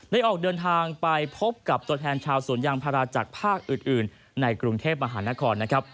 ออกเดินทางไปพบกับตัวแทนชาวสวนยางพาราจากภาคอื่นในกรุงเทพมหานครนะครับ